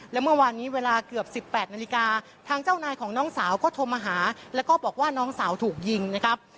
และเมื่อวานนี้เวลาเกือบ๑๘นาฬิกาทางเจ้านายของน้องสาวก็โทรมาหาแล้วก็บอกว่าน้องสาวถูกยิงนะครับ